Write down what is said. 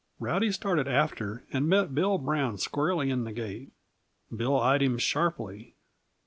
Rowdy started after, and met Bill Brown squarely in the gate. Bill eyed him sharply.